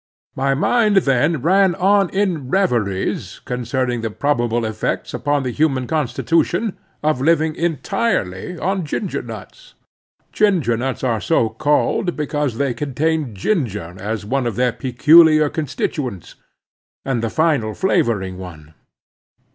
My mind then ran on in reveries concerning the probable effects upon the human constitution of living entirely on ginger nuts. Ginger nuts are so called because they contain ginger as one of their peculiar constituents, and the final flavoring one.